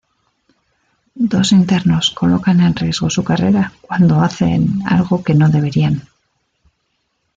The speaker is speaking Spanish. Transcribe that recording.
Dos internos colocan en riesgo su carrera cuando hacen algo que no deberían.